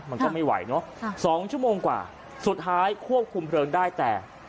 มันก็ไม่ไหวเนอะค่ะสองชั่วโมงกว่าสุดท้ายควบคุมเพลิงได้แต่